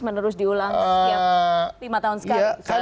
menerus diulang setiap lima tahun sekali